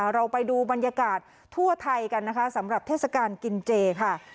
เราไปดูบรรยากาศทั่วไทยกันนะคะสำหรับเทศกาลกินเจค่ะ